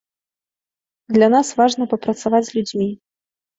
Для нас важна папрацаваць з людзьмі.